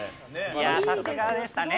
いやさすがでしたね。